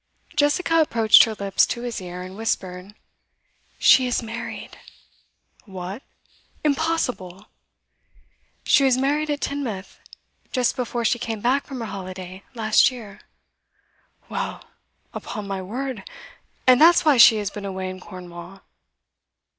Jessica approached her lips to his ear, and whispered: 'She is married.' 'What? Impossible!' 'She was married at Teignmouth, just before she came back from her holiday, last year.' 'Well! Upon my word! And that's why she has been away in Cornwall?